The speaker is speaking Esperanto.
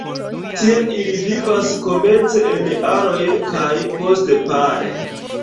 Tie ili vivas komence en aroj kaj poste pare.